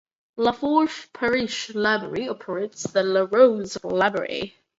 Lafourche Parish Library operates the Larose Library.